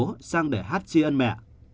và người quá cố sang để hát chi ân mẹ